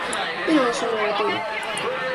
Pero eso no era todo.